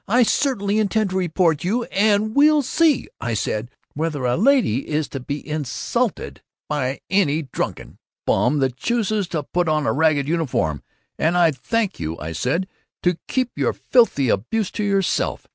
I certainly intend to report you, and we'll see,' I said, 'whether a lady is to be insulted by any drunken bum that chooses to put on a ragged uniform, and I'd thank you,' I said, 'to keep your filthy abuse to yourself.